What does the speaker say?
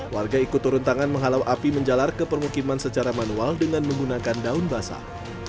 warga ikut turun tangan menghalau api menjalar ke permukiman secara manual dengan menggunakan daun basah